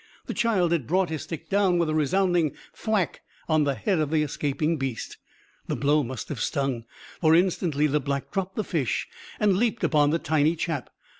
The child had brought his stick down with a resounding thwack on the head of the escaping beast. The blow must have stung. For, instantly, the Black dropped the fish and leaped upon the tiny chap.